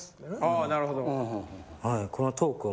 ああなるほど。